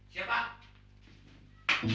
siap pucuk siap general